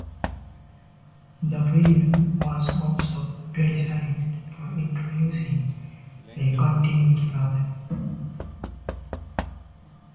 The film was also criticised for introducing a continuity problem.